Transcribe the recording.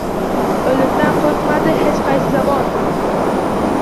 O‘limdan qo‘rqmadi — hech qaysi zamon